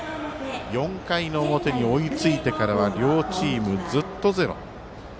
４回の表に追いついてからは両チーム、ずっと０。